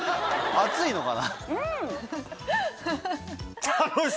熱いのかな？